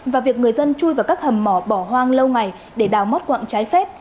và việc người dân chui vào các hầm mỏ bỏ hoang lâu ngày để đào mót quạng trái phép